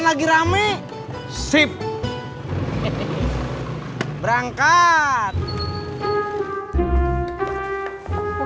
nanti aku jalan langsung